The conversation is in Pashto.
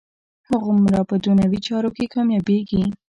هماغومره په دنیوي چارو کې کامیابېږي.